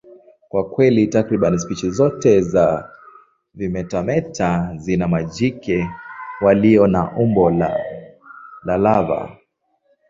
Kwa kweli, takriban spishi zote za vimetameta zina majike walio na umbo la lava.